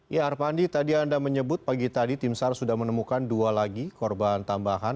ya arpandi tadi anda menyebut pagi tadi tim sar sudah menemukan dua lagi korban tambahan